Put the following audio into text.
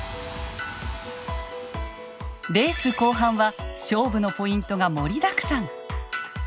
レース後半は勝負のポイントが盛りだくさん。